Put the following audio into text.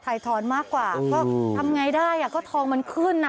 ไถ่ทอนมากกว่าเพราะทำอย่างไรได้ก็ทองมันขึ้น